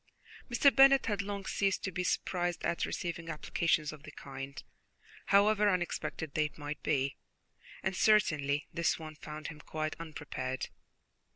Mr. Bennet had long ceased to be surprised at receiving applications of the kind, however unexpected they might be, and certainly this one found him quite unprepared.